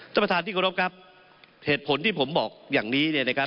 ท่านประธานที่เคารพครับเหตุผลที่ผมบอกอย่างนี้เนี่ยนะครับ